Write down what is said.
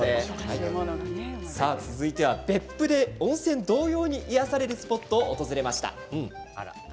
別府で温泉同様に癒やされるスポットを訪れました。